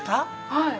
はい。